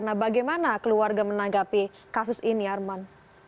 nah bagaimana keluarga menanggapi kasus ini arman